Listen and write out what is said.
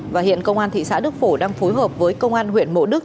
và hiện công an thị xã đức phổ đang phối hợp với công an huyện mộ đức